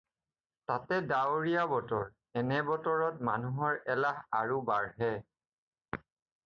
তাতে ডাৱৰীয়া বতৰ-এনে বতৰত মানুহৰ এলাহ আৰু বাঢ়ে।